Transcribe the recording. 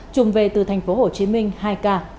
trùng về từ tp hcm hai ca